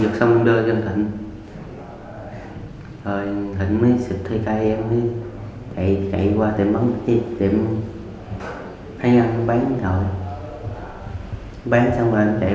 trộm cắp tài sản